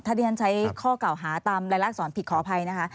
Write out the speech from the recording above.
ถ้าเรียนใช้ข้อกล่าวหาตามรายลักษณ์สอนผิดขออภัยนะคะ